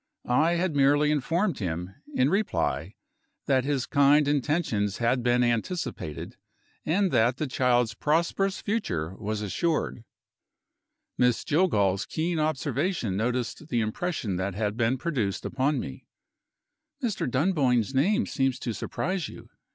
I had merely informed him, in reply, that his kind intentions had been anticipated, and that the child's prosperous future was assured. Miss Jillgall's keen observation noticed the impression that had been produced upon me. "Mr. Dunboyne's name seems to surprise you."